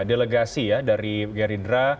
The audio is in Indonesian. delegasi ya dari gerindra